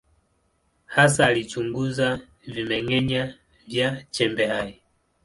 Hasa alichunguza vimeng’enya vya chembe hai.